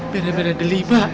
beda beda ada lipa